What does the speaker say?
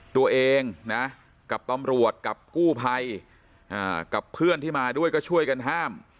ตัวเองนะกับตำรวจกับกู้ภัยกับเพื่อนที่มาด้วยก็ช่วยกันห้าม